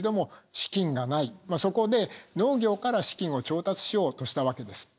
そこで農業から資金を調達しようとしたわけです。